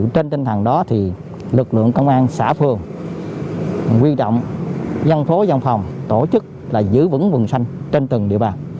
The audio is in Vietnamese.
trên tinh thần đó lực lượng công an xã phường quy động dân phố dòng phòng tổ chức là giữ vững vùng xanh trên từng địa bàn